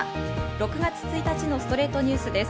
６月１日の『ストレイトニュース』です。